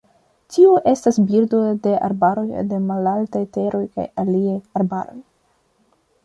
Tiu estas birdo de arbaroj de malaltaj teroj kaj aliaj arbaroj.